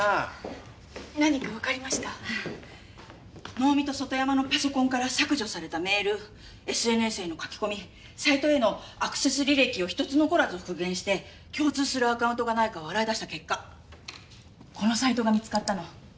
能見と外山のパソコンから削除されたメールＳＮＳへの書き込みサイトへのアクセス履歴を一つ残らず復元して共通するアカウントがないかを洗い出した結果このサイトが見つかったの。